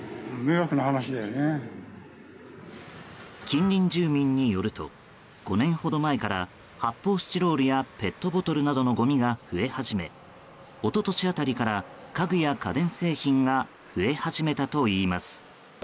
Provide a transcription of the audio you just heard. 近隣住民によると５年ほど前から発泡スチロールやペットボトルなどのごみが増え始め一昨年辺りから家具や家電製品が増え始めたといいます。